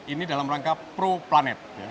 ini dalam rangka pro planet